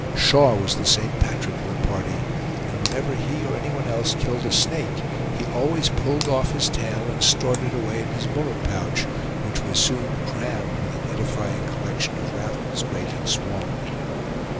Shaw was the St. Patrick of the party, and whenever he or any one else killed a snake he always pulled off his tail and stored it away in his bullet pouch, which was soon crammed with an edifying collection of rattles, great and small.